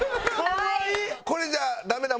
「これじゃダメだ。